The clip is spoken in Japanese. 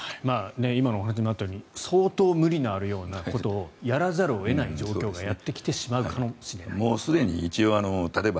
今のお話にもあったように相当無理があるようなことをやらざるを得ない状況がやってきてしまうかもしれないと。